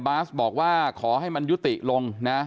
บาสบอกว่าขอให้มันยุติลงนะ